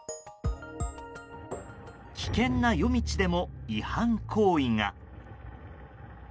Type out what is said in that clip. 危険な夜道でも、違反行為が。